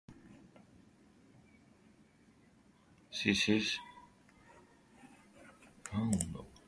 This is a recursive algorithm.